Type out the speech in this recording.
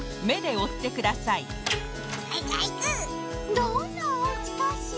どんなおうちかしら？